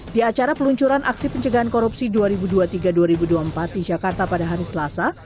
di acara peluncuran aksi pencegahan korupsi dua ribu dua puluh tiga dua ribu dua puluh empat di jakarta pada hari selasa